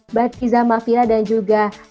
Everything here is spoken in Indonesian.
mbak kiza mafia dan juga